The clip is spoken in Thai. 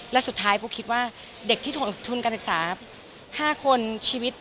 และสุดท้ายปุ๊กคิดว่าเด็กที่ทุนการศึกษา๕คนชีวิต